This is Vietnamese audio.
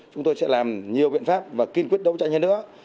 chúng tôi sẽ làm nhiều biện pháp và kiên quyết đấu tranh hơn nữa